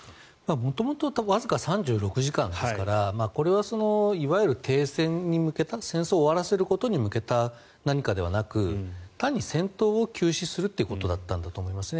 元々わずか３６時間ですからこれはいわゆる停戦に向けた戦争を終わらせることに向けた何かではなく単に戦闘を休止するってことだったんだと思いますね。